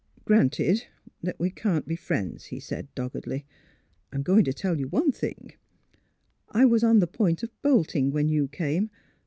*' Granted that we cannot be friends," he said, doggedly, "I'm going to tell you one thing. I was on the point of bolting, when you came.